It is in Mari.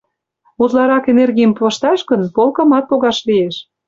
Утларак энергийым пышташ гын, полкымат погаш лиеш.